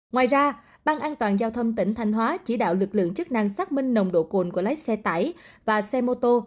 ngoài ra ban an toàn giao thông tỉnh thanh hóa chỉ đạo lực lượng chức năng xác minh nồng độ cồn của lái xe tải và xe mô tô